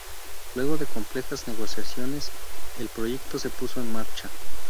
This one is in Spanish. Luego de complejas negociaciones, el proyecto se puso en marcha.